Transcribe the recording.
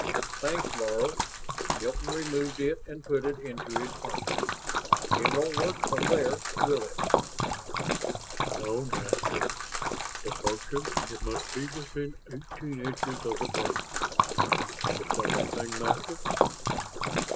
"Thanks, Laro." Hilton removed it and put it into his pocket. "It won't work from there, will it?" "No, Master. To function, it must be within eighteen inches of the brain. The second thing, Master?"